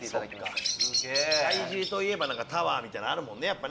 怪獣といえばタワーみたいなのあるもんね。